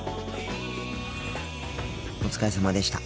お疲れさまでした。